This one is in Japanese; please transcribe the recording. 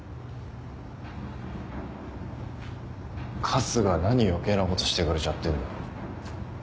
カスが何余計なことしてくれちゃってんの？